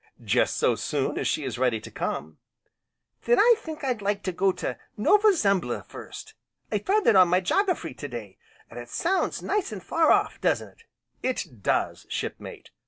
"Just so soon as she is ready to come." "Then I think I'd like to go to Nova Zembla first, I found it in my jogafrey to day, an' it sounds nice an' far off, doesn't it?" "It does, Shipmate!"